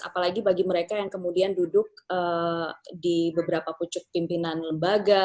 apalagi bagi mereka yang kemudian duduk di beberapa pucuk pimpinan lembaga